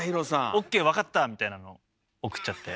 「オッケーわかった」みたいなのを送っちゃって。